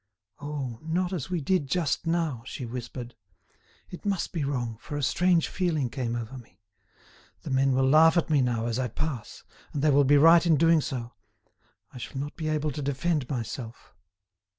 "Oh! not as we did just now," she whispered. "It must be wrong, for a strange feeling came over me. The men will laugh at me now as I pass, and they will be right in doing so. I shall not be able to defend myself."